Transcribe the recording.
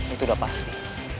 itu udah pasti